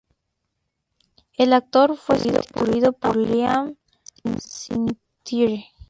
El actor fue sustituido por Liam McIntyre.